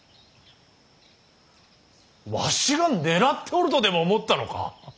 わしが狙っておるとでも思ったのか。